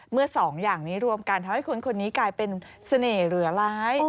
สองอย่างนี้รวมกันทำให้คนนี้กลายเป็นเสน่ห์เหลือร้าย